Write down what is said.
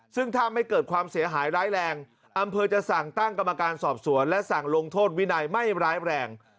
ซึ่งถ้าไม่เกิดความเสียหายร้ายแรงอำเภอจะสั่งตั้งกรรมการสอบสวนและสั่งลงโทษวินัยไม่ร้ายแรง